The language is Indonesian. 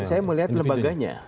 ini saya melihat lembaganya